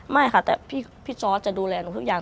ไม่ค่ะแต่พี่ซอสจะดูแลหนูทุกอย่าง